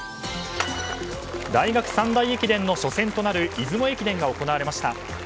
大学三大駅伝の初戦となる出雲駅伝が行われました。